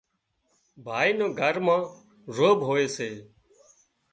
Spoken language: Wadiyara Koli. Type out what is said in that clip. ڀائي نو گھر ما روڀ هوئي سي